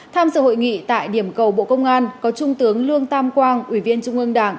tham dự hội nghị tại điểm cầu bộ công an có trung tướng lương tam quang ủy viên trung ương đảng